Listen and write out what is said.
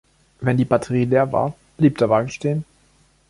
Wenn die Batterie leer war, blieb der Wagen stehen.